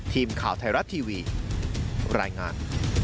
ทีมข่าวไทยรัฐทีวีรายงาน